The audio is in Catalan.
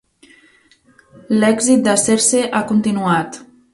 L'èxit de "Serse" ha continuat.